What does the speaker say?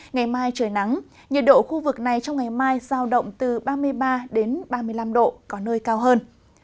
ngày mai trời nắng nhiệt độ khu vực này trong ngày mai giao động từ ba mươi ba đến ba mươi năm độ có nơi cao hơn